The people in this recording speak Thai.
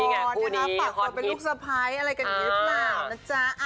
ปากตัวไปลูกสไพร์อะไรกันอยู่คราบนะจ๊ะ